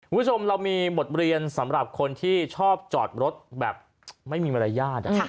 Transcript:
คุณผู้ชมเรามีบทเรียนสำหรับคนที่ชอบจอดรถแบบไม่มีมารยาท